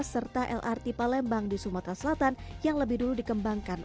serta lrt palembang di sumatera selatan yang lebih dulu dikembangkan